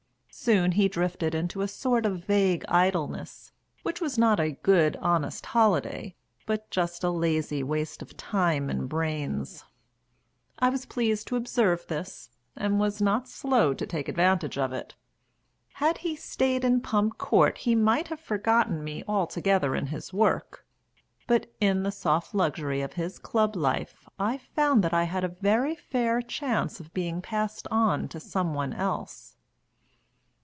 Soon he drifted into a sort of vague idleness, which was not a good, honest holiday, but just a lazy waste of time and brains. I was pleased to observe this, and was not slow to take advantage of it. Had he stayed in Pump Court he might have forgotten me altogether in his work, but in the soft luxury of his Club life I found that I had a very fair chance of being passed on to some one else.